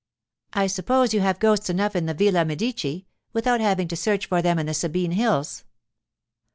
'I suppose you have ghosts enough in the Villa Medici, without having to search for them in the Sabine hills.